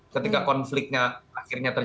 ketika konfliknya akhirnya terjadi